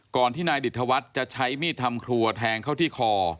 ที่นายดิตธวัฒน์จะใช้มีดทำครัวแทงเข้าที่คอ